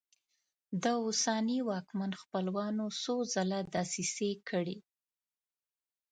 د اوسني واکمن خپلوانو څو ځله دسیسې کړي.